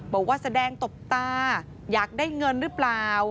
บอกว่าแสดงตบตาอยากได้เงินหรือเปล่า